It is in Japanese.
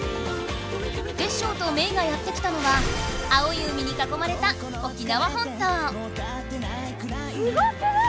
テッショウとメイがやってきたのは青い海にかこまれたすごくない？